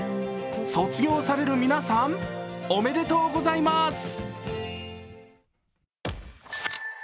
卒業される皆さんおめでとうございます。